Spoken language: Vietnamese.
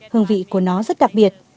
hương vị của nó rất đặc biệt